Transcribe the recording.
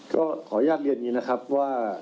ก็ขออนุญาตเรียนอย่างนี้นะครับว่า